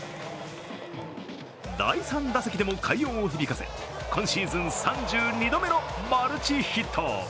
第３打席でも快音を響かせ今シーズン３２度目のマルチヒット。